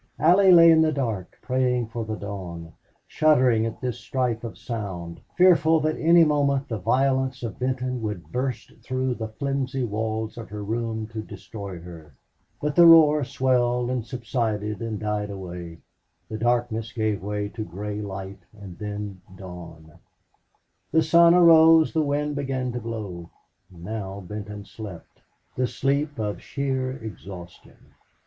Allie lay in the dark, praying for the dawn, shuddering at this strife of sound, fearful that any moment the violence of Benton would burst through the flimsy walls of her room to destroy her. But the roar swelled and subsided and died away; the darkness gave place to gray light and then dawn; the sun arose, the wind began to blow. Now Benton slept, the sleep of sheer exhaustion.